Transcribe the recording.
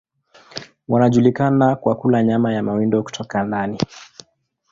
Wanajulikana kwa kula nyama ya mawindo kutoka ndani.